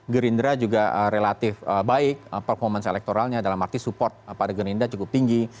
gerindra juga relatif baik performance elektoralnya dalam arti support pada gerindra cukup tinggi